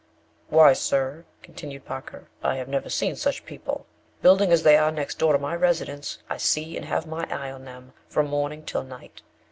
"Why, sir," continued Parker, "I have never seen such people; building as they are next door to my residence, I see and have my eye on them from morning till night.